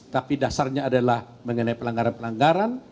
tapi dasarnya adalah mengenai pelanggaran pelanggaran